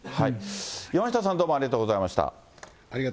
山下さん、どうもありがとうございました。